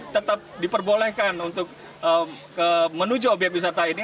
tetap diperbolehkan untuk menuju obyek wisata ini